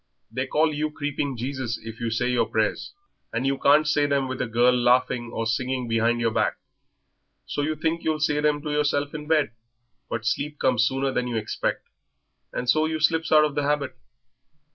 They call you Creeping Jesus if you say your prayers, and you can't say them with a girl laughing or singing behind your back, so you think you'll say them to yourself in bed, but sleep comes sooner than you expect, and so you slips out of the habit.